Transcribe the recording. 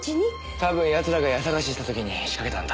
多分奴らが家捜しした時に仕掛けたんだ。